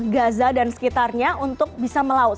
gaza dan sekitarnya untuk bisa melaut